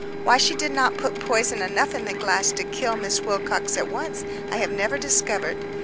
Why she did not put poison enough in the glass to kill Miss Wilcox at once I have never discovered.